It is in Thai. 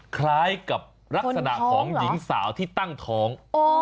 คล้ายกับลักษณะของหญิงสาวที่ตั้งท้อง